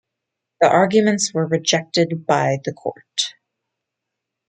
The arguments were rejected by the court.